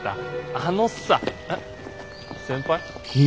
あのさえ先輩？